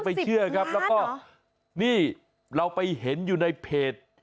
แล้วก็นี่เราไปเห็นอยู่ในเพจ